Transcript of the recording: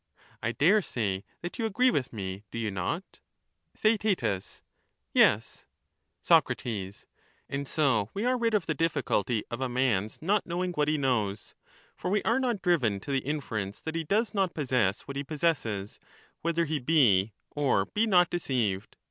I dare say that you agree with explanation me, do you not ? appears Theaet. Yes. satisfcctory. Soc, And so we are rid of the difficulty of a man's not knowing what he knows, for we are not driven to the infer ence that he does not possess what he possesses, whether he be or be not deceived.